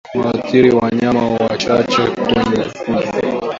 unaathiri wanyama wachache kwenye kundi